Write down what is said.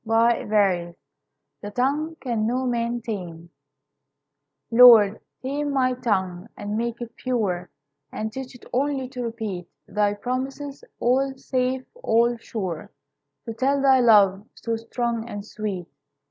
The Tongue Can No Man Tame Lord, tame my tongue, and make it pure, And teach it only to repeat Thy promises, all safe, all sure; To tell thy love, so strong and sweet.